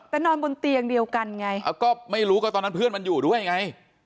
แต่นอนบนเตียงเดียวกันไงก็ไม่รู้ก็ตอนนั้นเพื่อนมันอยู่ด้วยไง